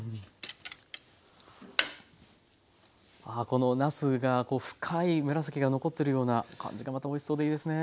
このなすがこう深い紫が残ってるような感じがまたおいしそうでいいですね。